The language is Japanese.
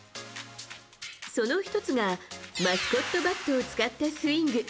その１つがマスコットバットを使ったスイング。